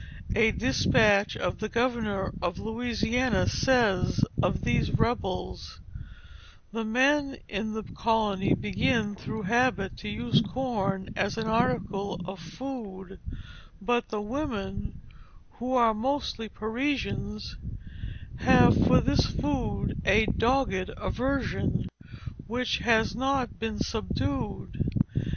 A despatch of the governor of Louisiana says of these rebels: "The men in the colony begin through habit to use corn as an article of food; but the women, who are mostly Parisians, have for this food a dogged aversion, which has not been subdued.